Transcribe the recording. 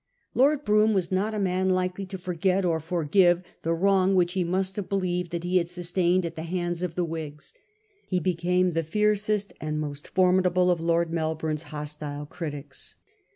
Lord Brougham was not a man likely to forget or forgive the wrong which he must have believed that he had sustained at the hands of the Whigs. He became the fiercest and most formidable of Lord Melbourne's hostile critics.